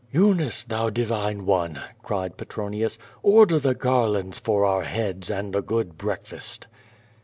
"Eunice, thou divine one," cried Petronius, "order the gar lands for our heads, and a good breakfast."